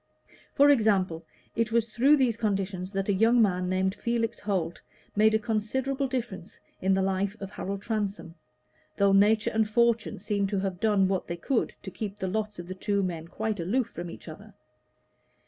For example, it was through these conditions that a young man named Felix Holt made a considerable difference in the life of Harold Transome, though nature and fortune seemed to have done what they could to keep the lots of the two men quite aloof from each other.